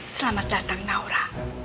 selamat datang naura